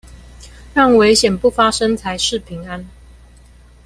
讓危險不發生才是平安